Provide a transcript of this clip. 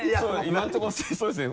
今のとこそうですね